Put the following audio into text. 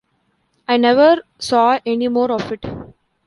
I never saw any more of it.